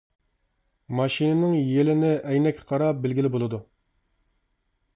ماشىنىنىڭ يىلىنى ئەينەككە قاراپ بىلگىلى بولىدۇ.